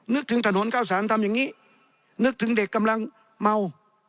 นึกถึงถนนข้าวสารทำอย่างนี้นึกถึงเด็กกำลังเมา